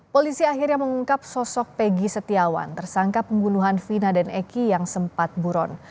polisi akhirnya mengungkap sosok pegi setiawan tersangka pembunuhan vina dan eki yang sempat buron